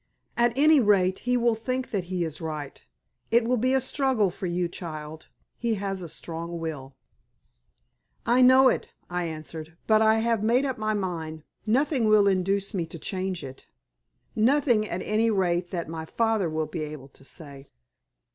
At any rate, he will think that he is right. It will be a struggle for you, child. He has a strong will." "I know it," I answered; "but I have made up my mind. Nothing will induce me to change it nothing, at any rate, that my father will be able to say.